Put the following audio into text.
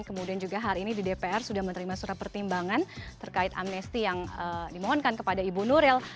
kemudian juga hari ini di dpr sudah menerima surat pertimbangan terkait amnesti yang dimohonkan kepada ibu nuril